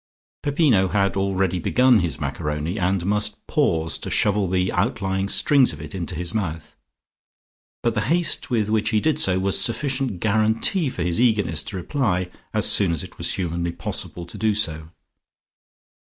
Peppino had already begun his macaroni and must pause to shovel the outlying strings of it into his mouth. But the haste with which he did so was sufficient guaranty for his eagerness to reply as soon as it was humanly possible to do so.